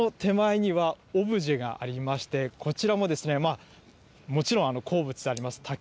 その手前にはオブジェがありまして、こちらもまあ、もちろん、好物であります